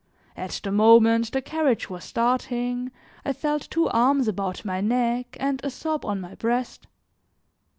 At the moment the carriage was starting, I felt two arms about my neck and a sob on my breast.